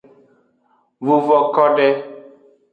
Vuvo kode.